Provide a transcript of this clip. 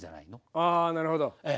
あなるほどはい。